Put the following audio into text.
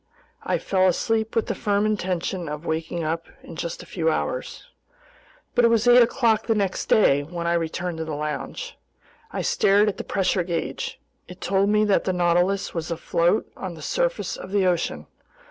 I fell asleep with the firm intention of waking up in just a few hours. But it was eight o'clock the next day when I returned to the lounge. I stared at the pressure gauge. It told me that the Nautilus was afloat on the surface of the ocean.